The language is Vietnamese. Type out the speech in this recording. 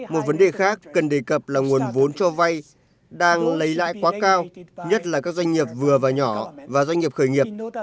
một vấn đề khác cần đề cập là nguồn vốn cho vay đang lấy lãi quá cao nhất là các doanh nghiệp vừa và nhỏ và doanh nghiệp khởi nghiệp